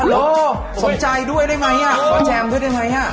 ฮัลโหลสนใจด้วยได้ไหมแจมด้วยได้ไหม